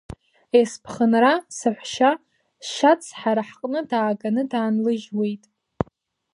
Есԥхынра саҳәшьа Шьац ҳара ҳҟны дааганы даанлыжьуеит.